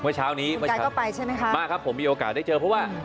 เมื่อเช้านี้ยายก็ไปใช่ไหมคะมาครับผมมีโอกาสได้เจอเพราะว่า